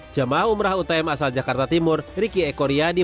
jemaah umrah utm asal jakarta timur riki e koryadi